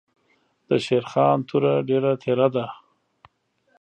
دشېرخان توره ډېره تېره ده.